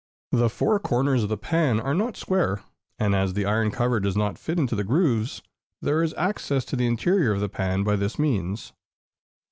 The four corners of the pan are not square; and as the iron cover does not fit into the grooves, there is access to the interior of the pan by this means.